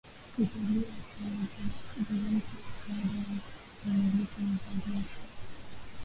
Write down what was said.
Italia iitwayo Juventus baada ya kukamilisha uhamisho